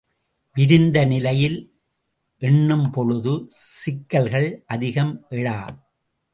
விரிந்த நிலையில் எண்ணும்பொழுது சிக்கல்கள் அதிகம் எழா!